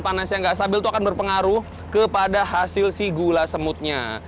panasnya tidak stabil itu akan berpengaruh kepada hasil si gula semutnya